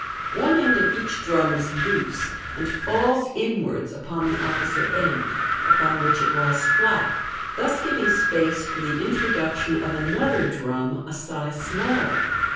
One end of each drum is loose, and falls inwards upon the opposite end, upon which it lies flat, thus giving space for the introduction of another drum, a size smaller.